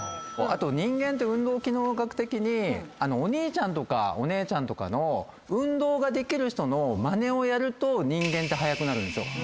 人間って運動機能学的にお兄ちゃんとかお姉ちゃんとかの運動ができる人のまねをやると人間って早くなるんですよ。